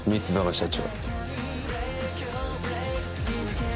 社長！